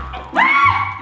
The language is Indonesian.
kenapa bisa kayak gini sih